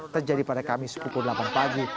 terjadi pada kami sepukul delapan pagi